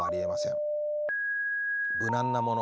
無難なもの